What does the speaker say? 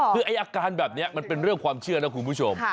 คือไอ้อาการแบบนี้มันเป็นเรื่องความเชื่อนะคุณผู้ชม